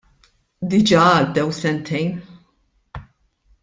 Diġà għaddew sentejn.